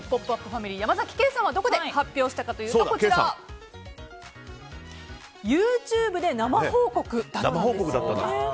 ファミリーの山崎ケイさんはどこで発表したかというとＹｏｕＴｕｂｅで生報告だったんです。